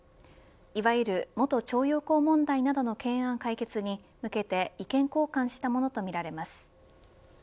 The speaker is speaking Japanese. いわゆる元徴用工問題などの懸案解決に向けて意見交換したものとみられます。